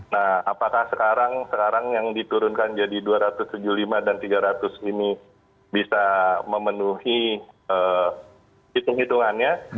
nah apakah sekarang yang diturunkan jadi dua ratus tujuh puluh lima dan tiga ratus ini bisa memenuhi hitung hitungannya